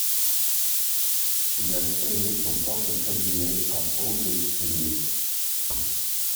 Il a créé son propre cabinet à Haugesund.